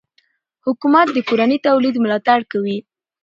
حکومت د کورني تولید ملاتړ کوي.